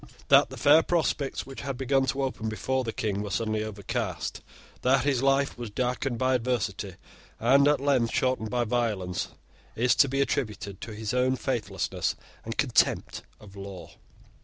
That the fair prospects which had begun to open before the King were suddenly overcast, that his life was darkened by adversity, and at length shortened by violence, is to be attributed to his own faithlessness and contempt of law.